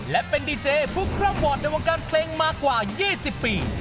และเป็นดีเจผู้คร่องวอร์ดในวงการเพลงมากว่า๒๐ปี